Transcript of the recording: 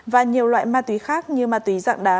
và nhiều loại ma túy khác như ma túy dạng đá